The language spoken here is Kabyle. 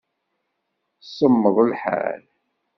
Semmeḍ lḥal.